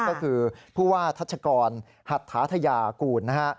ก็คือผู้ว่าทัชกรหัตถาธยากูลนะฮะ